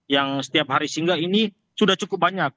yang setiap hari singgah ini sudah cukup banyak